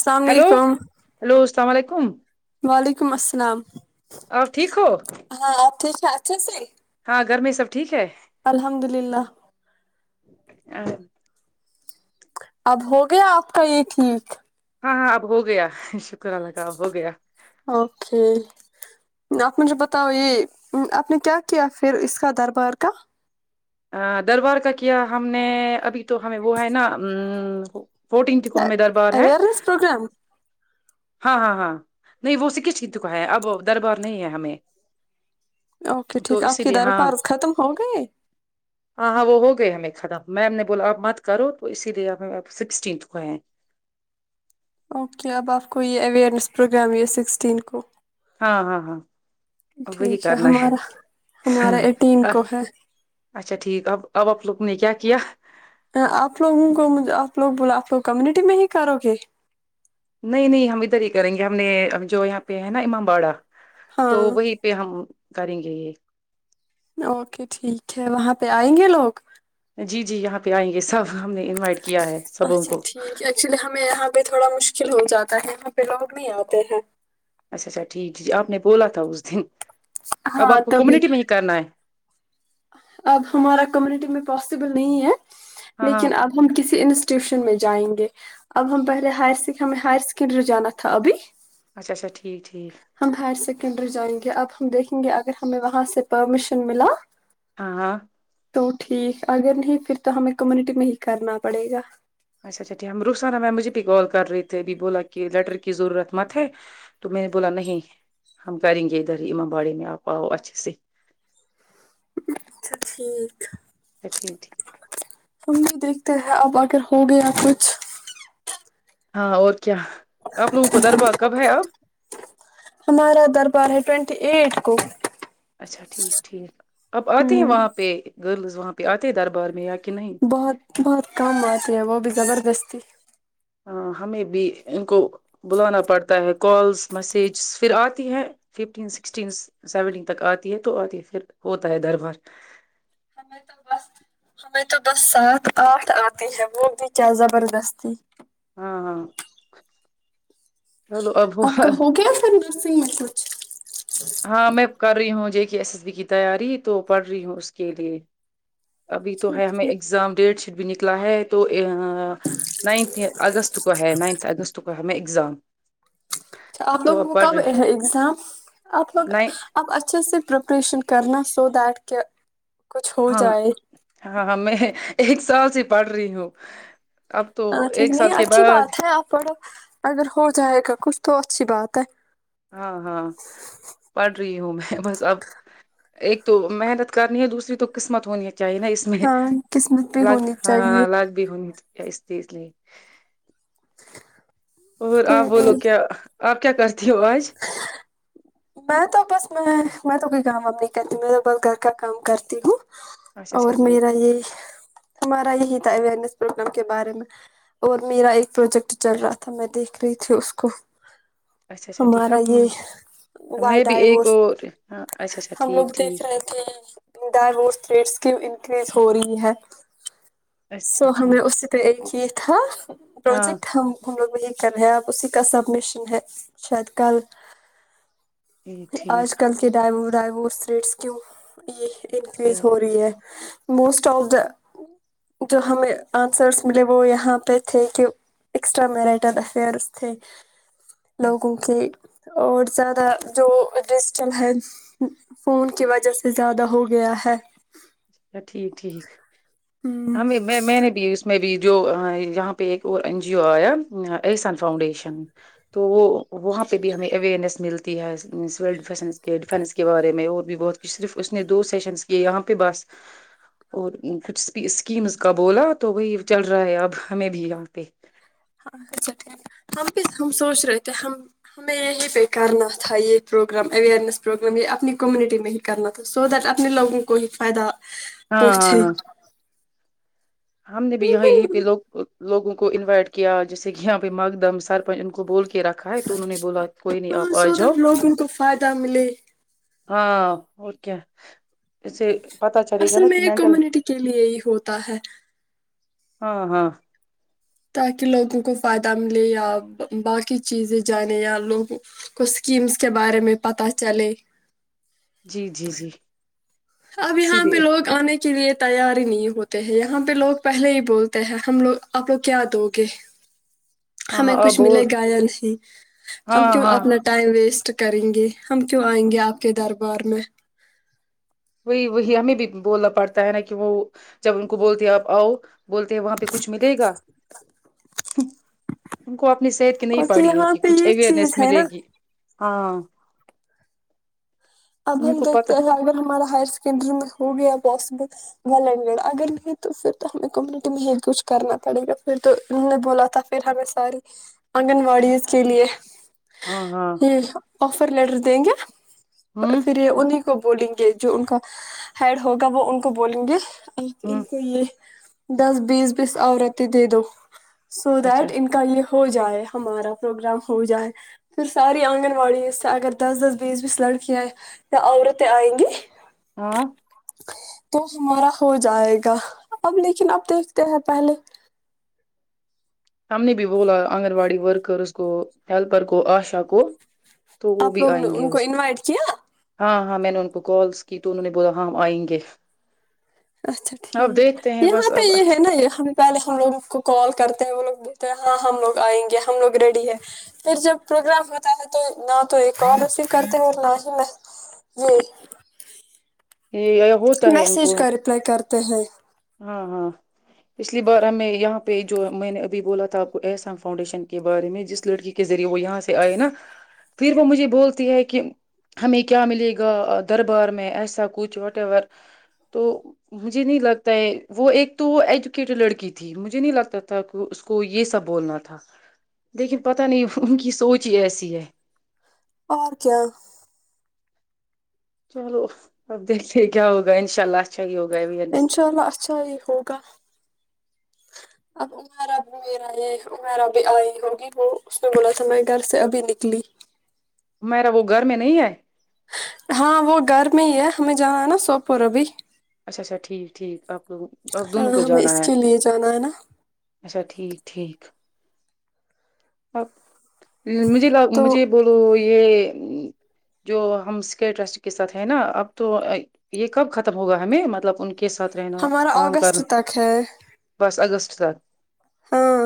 السلام ہلو علیکم ہلو السلام علیکم وعلیکم السلام آپ ٹھیک ہو ہاں اچاچھ سے ہاں گھر میں سب ٹھیک ہے الحمد للہ آ اب ہو گیا آپ کا یہ ٹھیک ہاں ہاں اب ہو گیا کرا لگاب ہو گیا اوکے آپ مجھے بتاؤ یہ آپ نے کیا کیا پھر اس کا دربار کا ا دربار کا کیا ہم نے ابھی تو ہمیں وہ ہے نا فورٹینتھ کو ہمیں دربار ہے اوئرنیس پروگرام ہاں ہاں ہاں نہیں وہ س کس چت کا ہے اب در بار نہیں ہے ہمیں اوکے تو ٹھیک آپ اسی کی لیے ہاں دربار ختم ہو گئے ہاں ہاں وہ ہو گئے ہمیں ختم میم نے بولا آپ مت کرو تو اسی لیے سکسٹینتھ کو ہیں اوکے اب آپ کو یہ اوئرنیس پروگرام ہے سکسٹین کو ہاں ہاں ہاں وہی ٹھیک کرنا ہے ہمارا ہمارا ایٹین ہ کو ہے اچھا ٹھیک آب آب آپ لوگ نے کیا کیا آپ لوگوں کو آپ لوگ بول آپ لوگ کمیونٹی میں ہی کرو گے نہیں نہیں ہم ادھر ہی کریں گے ہم نے جو یہاں پہ ہے نا امام باڑا تو وہی ہاں پہ ہم کریں گے یہ [unintelligible] اوکے ٹھیک ہے وہاں پہ آئیں گے لوگ جی جی یہاں پہ آئیں گے سب ہم نے انوائٹ کیا ہے سبوں کو بھی تھوڑا مشکل ہو جاتا ہے یہاں پہ لوگ نہیں آتے ہیں اچھا اچھا ٹھیک جی جی آپ نے بولا تھا اس دن اب ہاں آپ کو تبھی کمیونٹی میں ہی کرنا ہے اب ہمارا کمیونٹی میں پاسبل نہیں ہے ہاں ہاں لیکن اب ہم کسی ان ٹیوشن میں جائیں گے اب ہم پہلے ہ ہمیں ہائر سیکنڈری جانا تھا ابھی اچھا اچا ھیک ہم ہائر سیکنڈری جائیں گے اب دیکھیں گے اگر ہمیں وہاں سے پرمیشن ملا ہاں تو ٹھیک اگر نہیں پھر تو ہمیں کمیونٹی میں ہی کرنا پڑے گا اچھا اچھا ٹھیک ہے ہم روخسانا میںیم مجھے بھی کال کر رہے تھے ابھی بولا کہ لیٹر کی ضرورت مت ہے تو میں نے بولا نہیں ہم کریں گے ادھر ہی امام باڑی میں آپ آؤ اچھے سے اچھا ٹھیک اچھا ٹھیک ٹھیک سمی [unintelligible] دیکھتے ہیں اب اگر ہو گیا کچھ ہاں اور کیا آپ لوگ کدھر باقب ہے ٹوونٹی ایٹ کو اچھا ٹھیک ٹھیک اپ آتے ہیں ہوں وہاں پہ گرلز وہاں پہ آتے ہیں دربار میں یا کہ نہیں بہت بہت کم آتی ہیں وہ بھی زبردست پھی [unintelligible] ہمیں بھی ان کو بلانا پڑتا ہے کالس میسج پھر آتی ہے ففٹین سکسٹین سیونٹین تک آتی ہے تو آتی ہے پھر ہوتا ہے در بار ہمیں تو بس ہمیں تو بس سات آٹھ آتے ہیں وہ بھی کیا زبردستی ہاں ہاں چلو اب آپ ہوا کا ہو گیا پھر نرسنگ میں کچھ ہاں میں کر رہی ہوں جی ایس ایس بی کی تیاری تو پڑھ رہی ہوں اس کے لیے ابھی تو اچھا ہے ہمیں ٹھیک، اگزام ڈیٹ بھی نکلا ہے تو نائنتھ اگست کو ہے نائنتھ اگست کو ہمیں ایگزام اچھا آپ تو لوگوں اب کو پڑھ کب رہی ہے اگزام آپ نہیں آپ اچھے سے پریپریشن کرنا سو دییٹ کہہ کچھ ہو ہاں جائے ہاں میں ایک سال سے پڑھ رہی ہوں اب تو ہاں ٹھیک ایک نہیں سال کے اچھی بعد بات ہے آپ پڑھو اگر ہو جائے گا کچھ تو اچھی بات ہے ہاں ہاں پڑھ رہی ہوں میں بس اب ایک تو محنت کرنی ہے دوسری تو قسمت ہونی ہے چاہ نا اس میں ہاں قسمت بھی لاک ہونی چاہیے ہاں لاک بھی ہونی کیا اس چیز لی اور کوئی آپ بولو نہیں کیا آپ کیا کرتے ہیں دوج میں تو بس میں میں تو کوئی کام و نہیں کرتی میں تو بس گھر کا کام کرتی ہوں اچھا اور اچھا میر ٹھیک یہ ہمارا یہی تھا اوئرنیس پروگرام کے بارے میں اور میرا ایک پروجیکٹ چل رہا تھا میں دیکھ رہی تھی اس کو اچھا اچھا ٹھیک ہمارا ہم جی وائ میں بھی ایک ڈائیورس اور ہاں اچھا اچھا ہم لوگ ٹھیک دیکھ ٹھیک رہے کہ ڈائیورس تھیٹس کی ان ہو رہی ہے سو اچھا ہم نے ٹھیک اسی پ ایک یہ تھا ہاں پروجیکٹ ہم وہی کر رہے آپ اسی کا سب مشن ہے شاید کل ٹھیک ٹھیک آج کل کے ڈائم ڈائیورس ریٹس کیوں یہ انکریز ہو رہی ہے موسٹ آف دا جو ہمیں آنسرس ملے وہ یہاں پہ تھے کہ ایکسٹرا میرٹل افیئرس تھے اچھا لوگوں کے اور زیادہ جو ڈیجیٹل ہے فون کی وجہ سے زیادہ ہو گیا ہے ا ٹھیک ٹھیک ہمیں میں میں نے بھی اس میں بھی جو یہاں پہ ایک اور این جی او آیا اسن فاؤنڈیشن تو وہ وہاں پہ بھی ہمیں اویئرنیس ملتی ہے سییول ڈس کے ڈیفینس کے بارے میں اور بھی بہت کچھ صرف اس نے دو سیشنس کیے یہاں پہ بس اور کچھ اسکیمز کا بولا تو بھائی چل رہا ہے اب ہمیں بھی یہاں پہ ہاں اچھا ٹھیک ہے ہم بھی ہم سوچ رہے تھے ہم ہمیں یہیں پہ کرنا تھا یہ پروگرام اوئرنیس پروگرام یہ اپنی کمیونٹی میں ہی کرنا تھا سو دیٹ اپنے لوگوں کو ہی فائدہ ہاں ہاں پہنچے ہاں ہم نے بھی یہ یہیں پہ لیکن لوگ لوگوں کو انوائٹ کیا جیسے کہ یہاں بھائی مقدم سرپنچ ان کو بول رکھا ہے تو انہوں نے بولا کوئی نہیں ہاں آپ آ سو جاؤ دیٹ لوگوں کو فائدہ ملے ہاں اور کیا اسے اصل میں ایک کمیونٹی کے لیے ہی ہوتا ہے ہاں ہاں تاکہ لوگوں کو فائدہ ملے یا باقی چیزیں جانیں یا لوگوں کو اسکیمس کے بارے میں پتہ چلے جی جی جی اب اسی یہاں پہ لیے لوگ آنے کے کے لیے تیار ہی نہیں ہوتے ہیں یہاں پہ لوگ پہلے ہی بولتے ہیں ہم لوگ آپ لوگ کیا دو گے ہاں ہمیں کچھ اب وہ ملے گایا نہیں ہم ہاں کیوں ہاں اپنا ٹائم ویسٹ کریں گے ہم کیوں آئیں گے آپ کے دربار میں وہی وہی ہمیں بھی بولنا پڑتا ہے نا کہ وہ جب ان کو بولتے ہیں آپ آؤ بولتے ہیں وہاں پہ کچھ ملے گا ان کو آپ اپنی صحت کی نہیں اور پڑی ہے یہاں کہ پہ کچھ یہ اوئرنیس چیز ہے ملے نا گی ہاں اب ان ہم کو پتا دیکتے ہیں اگر ہمارا ہائر سیکڈری میں ہو گیا پوسبل ول ا گ اگر نہیں تو پھر تو ہمیں کمیونٹی میں ہی کچھ کرنا پڑے گا پھر تو انہوں نے بولا تھا پھر ہمیں ساری آنگن واڑی کے لیے ہاں ہاں آفر لڈر دیں گے ہوں فریے ان نے [unintelligible] کو بولیں گے جو ان کا ہیڈ ہوگا وہ ان کو بولیں گے ایک ان ہوں کو یہ [unintelligible] دس بیس بیس عورتیں دے دو سو اچھا دیٹ ان کا یہ ہو جائے ہمارا پروگرام ہو جائے پھر ساری آنگن واڑی سے اگر دس دس بیس بیس لڑکیاں ہیں ن اورورت آئیں گے [unintelligible] ہاں تو ہمارا ہو جائے گا اب لیکن آپ دیکھتے ہیں پہلے تمن بھی بول آنگن واڑی رکرز گوو ہیلپر گو عاشا گوو آپ لوگ نے ان کو انوائٹ کیا ہاں ہاں میں نے ان کو کالس کی تو انہوں نے بولا ہاں ہم آئیں گے اچھا اب ٹھیک دیکھتے ہیں یہاں بس پہ اب یہ ہے نا اچھا یہ ہم پہلے ہم لوگ کو کال کرتے ہیں وہ لوگ تو ہاں ہم لوگ آئیں گے ہم لوگ ریڈی ہے پھر جب پروگرام ہوتا ہے تو نہ تو ایک اور رسیف کرتے ہیں اور نہ ہی میں یہ یہ ہوتا ہے ان کو پ ہے [unintelligible] [inaudible] ہاں ہاں پچھلی بار ہمیں یہاں پہ جو میں نے ابھی بولا تھا آپ کو احسام فاؤنڈیشن کے بارے میں جس لڑکی کے ذریعے وہ یہاں سے آئے نا پھر وہ مجھے بولتی ہے کہ ہمیں کیا ملے گا دربار میں ایسا کچھ وٹ ایور تو مجھے نہیں لگتا وہ ایک تو ایجوکیٹڈ لڑکی تھی مجھے نہیں لگتا تھا کہ اس کو یہ سب بولنا تھا لیکن پت نہیں ان کی سوچ ہی ایسی ہے اور کیا؟ چلو اب دیکھ لے کیا ہوگا انشاء اللہ اچھا ہی ہوگا اویئرنیس انشاء اللہ اچھا ہی ہوگا اب میرا میرا یہ میرا بھی آئی ہوگی وہ اس نے بولا تھا میں گھر سے ابھی نکلی [unintelligible] [inaudible] میرا وہ گھر میں نہیں آئے [unintelligible] ہاں وہ گھر میں ہی ہے ہمیں جانا ہے نا سوپور ابھی اچھا اچھا ٹھیک ٹھیک آپ کو آپ ہاں دونوں کو ہمیں جانا اس ہے کے لیے جانا ہے نا اچھا ٹھیک ٹھیک اپ [unintelligible] مجھے تو مجھے بولو یہ جو ہم اسک ٹرسٹ کے ساتھ ہیں نا اب تو یہ کب ختم ہوگا ہمیں مطلب ان کے اکے ساتھ رہنا ہمارا کا کرنا اگست تک ہے بس اگس چ سات [unintelligible] ہاں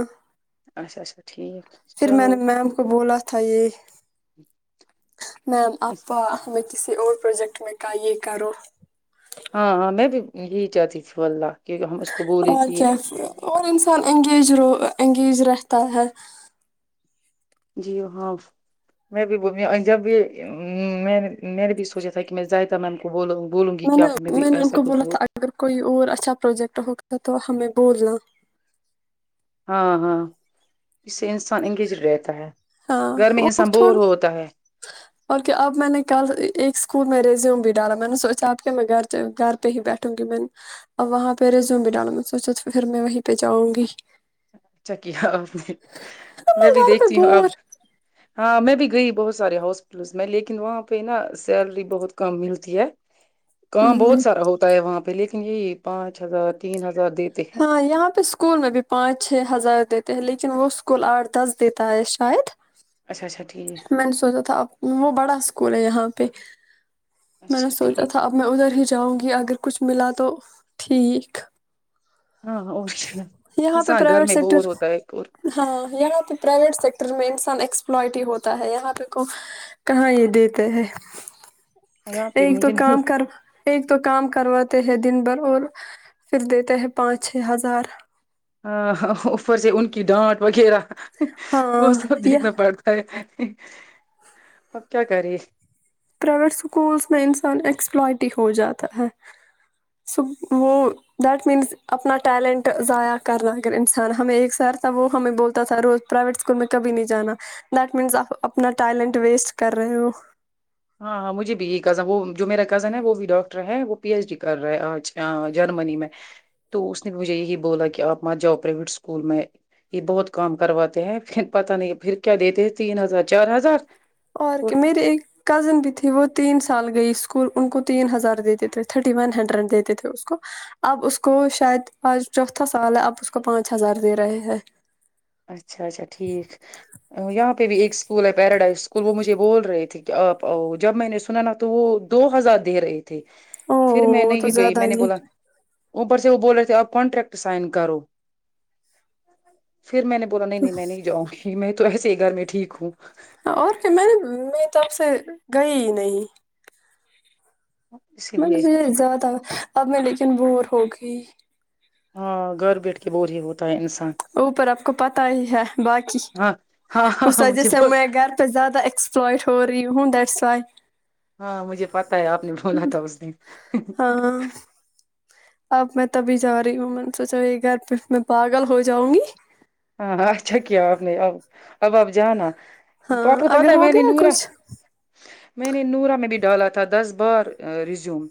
اچھا اچھا ٹھیک پھر میں نے چلو میم کو بولا تھا یہ میم اپا احمد [unintelligible] کسی اور پروجیکٹ میں کا یہ کرو ہاں ہاں میں بھی یہی جتییس واللہ کہ ہم اس کو بولے اور کہ کیا اور انسان انگیج انگیج رہ رہتا ہے جی ہاں میں بھی جب بھی میں نے بھی سوچا تھا کہ میں ائدہ میم کو بولوں گی بولوں میں کہ نے آپ ہمیں بھی میں نے ان ایسا کو کچھ بولا تھا بول اگر کوئی اور اچھا پروجیکٹ ہوگا تو ہمیں بولنا ہاں ہاں اس سے انسان انگیج رہتا ہے ہاں گھر میں اور انسان بور تھوڑا ہوتا ہے اور کیا اب میں نے کل ایک اسکول میں ریزیوم بھی ڈالا میں نے سوچا آپ کے میں گھر گھر پہ ہی بیٹھوں گی میں نے اب وہاں پہ ریزیوم بھی ڈالا میں سوچا تو پھر میں وہیں پہ جاؤں گی اچھا کیا اس نے میں بھی گھر پہ دیکھتی ہوں اب بور ہاں میں بھی گئی بہت سارے ہاسپٹلس میں لیکن وہاں پہ نا سیلری بہت کم ملتی ہے کہاں بہت ہوں سارا ہوتا ہے وہاں پہ لیکن یہی پانچ ہزار تین ہزار دیتے ہیں ہاں یہاں پہ اسکول میں بھی پانچ چھ ہزار دیتے ہیں لیکن وہ اسکول آٹھ دس دیتا ہے شاید اچھا اچھا ٹھیک میں نے سوچا تھا ا وہ بڑا اسکول ہے یہاں پی میں نے اچھا سوچا ٹھیک تھا اب میں ادھر ہی جاؤں گی اگر کچھ ملا تو تو ٹھیک ہاں اور کیا یہاں پہ انسان گھر پرائیویٹ میں بور سیکٹر ہوتا ہے اور ہاں یہاں پہ پرائیویٹ سیکٹر میں ایکسپلور ہوتا ہے یہاں پہ کو کہاں یہ دیتے ہے یہاں پہ ایک تو مجھے کام نہیں کر ایک تو کام کرواتے ہے دن بھر اور پھر دیتے ہیں پانچ چھ ہزار ہاں اوپر سے ان کی ڈانٹ وغیرہ ہاں وہ سب یہ دیکھنا پڑتا ہے اب کیا کری پرائیویٹ اسکولس میں انسان ایکسپلٹی ہو جاتا ہے س وہ دیٹ مینس اپنا ٹیلنٹ ضائع کر رہا اگر انسان ہمیں ایک سر تھا وہ ہمیں بولتا تھا روز پرائیویٹ اسکول میں کبھی نہیں جانا دیٹ مینس آپ اپنا ٹیلنٹ ویسٹ کر رہے ہو ہاں ہاں مجھے بھی یہی کزن وہ جو میرا کزن ہے وہ بھی ڈاکٹر ہے وہ پی ایچ ڈی کر رہے ہے آج جرمنی میں تو اس نے مجھے یہی بولا کہ آپ ماںت جاؤ پرائیویٹ اسکول میں یہ بہت کام کرواتے ہیں پھر پت نہیں پھر کیا دیتے ہیں تین ہزار چار ہزار اور کیا میرری ایک کزن بھی تھی وہ تین سال گئی اسکول ان کو تین ہزار دیتے تھے تھرٹی ون ہنڈریڈ دیتے تھے اس کو اب اس کو شاید آج چوتھا سال ہے اب اس کو پانچ ہزار دے رہے ہے اچھا اچھا ٹھیک یہاں پہ بھی ایک اسکول ہے پیراڈائز اسکول وہ مجھے بول رہے تھے کہ آپ آؤ جب میں نے سنا نا تو وہ دو ہزار دے رہے تھے پھر میں او تو نہیں گئی زیادہ میں نے ہی بولا اوپر سے وہ بول رہے تھے آپ کانٹریکٹ سائن کرو پھر میں نے بولا نہیں میں نہیں جؤں گی میں تو ایسے میں ٹھیک ہوں ہاں اور کیا میں نے میں تو آب سے گئی نہیں اسی میں لیے نےز تھا اب میں دیکھی لیکن وور ہو گئی ہاں گھر بیٹھ کے بور ہی ہوتا ہے انسان اوپر آپ کو پتا ہی ہے باقی ہاں ہاں اس ہاں وجہ مجھے سے بہت میں گھر پہ زیادہ ایکسپلائٹ ہو رہی ہوں دیٹس وائی [inaudible] ہاں مجھے پتا ہے آپ نے بھولا تھا اس دن ہاں اب میں تبھی جا رہی ہوں میں نے سوچا یہ گھر پہ میں پاگل ہو جاؤں گی ہاں اچا کی آ اپ اب اب جانا پاپ ہاں کو اگر پتا ہے ہو میں نے گیا نورا کچھ میں نے نورا میں ڈالا تھا دس بار ریزوم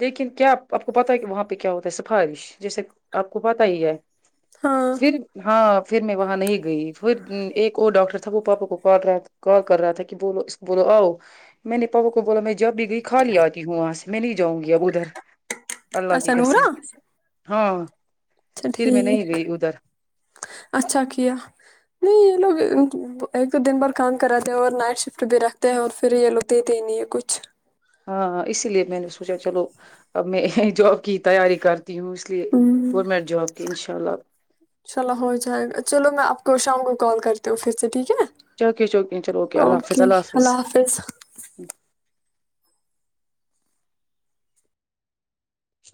لیکن کیا آپ کو پتا ہے کہ وہاں پہ کیا ہوتا ہے سفارش جیسے آپ کو پتا ہی ہے ہاں صرف ہاں پھر میں وہاں نہیں گئی پھر ایک اور ڈاکٹر تھا وہ پاپا کو کال رہا تھا کال کر رہا تھا کہ بولو اس بولو آؤ میں نے پاپا کو بولا میں جب بھی گئی خالی آتی ہوں وہاں سے میں نہیں جاؤں گی اب ادھر اللہ کی اچھا کسم نورا اچھا ہاں پھر میں نہیں ٹھیک گئی ادھر اچھا کیا نہیں یہ لوگ ایک تو دن بھر کام کراتے ہیں اور نائٹ شفٹ بھی رکھتے ہیں اور پھر یہ لوتےتے ہی نہیں ہے کچھ ہاں اسی لیے میں نے سوچا چلو اب میں جاب کی تیاری کر کہ اس لیے ہوں گورمنٹ جاب کے ان شاء اللہ تو شام کو کال کرتے ہو پھر سے ٹھیک ہے نا چوکے چوکے چلو اوکے اللہ حافظ اللہ حافظ